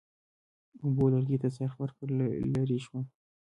اوبو لرګي ته څرخ ورکړ، لرې شوم.